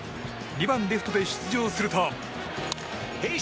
２番レフトで出場すると。